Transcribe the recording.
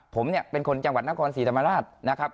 ผมเนี่ยเป็นคนจังหวัดนครศรีธรรมราชนะครับ